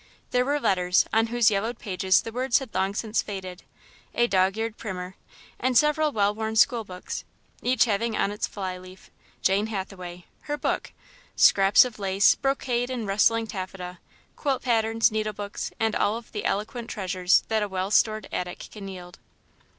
There were letters, on whose yellowed pages the words had long since faded, a dogeared primer, and several well worn schoolbooks, each having on its fly leaf: "Jane Hathaway, Her Book"; scraps of lace, brocade ard rustling taffeta, quilt patterns, needlebooks, and all of the eloquent treasures that a well stored attic can yield.